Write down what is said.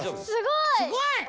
すごい！